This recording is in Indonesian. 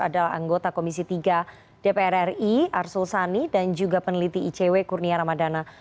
adalah anggota komisi tiga dpr ri arsul sani dan juga peneliti icw kurnia ramadana